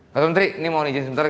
mas menteri ini mohon izin sebentar